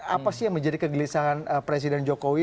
apa sih yang menjadi kegelisahan presiden jokowi